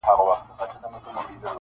ريشا زموږ د عاشقۍ خبره ورانه سوله-